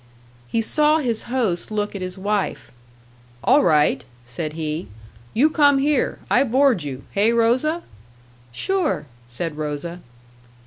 He saw his host look at his wife. "All right," said he. "You come here. I board you. Hey, Rosa?" "Sure," said Rosa.